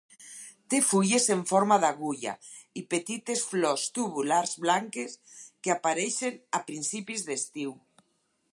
Té fulles en forma d'agulla i petites flors tubulars blanques que apareixen a principis d'estiu.